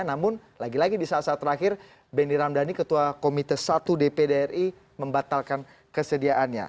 namun lagi lagi di saat saat terakhir benny ramdhani ketua komite satu dpd ri membatalkan kesediaannya